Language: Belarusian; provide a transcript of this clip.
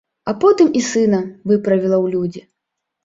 А потым і сына выправіла ў людзі.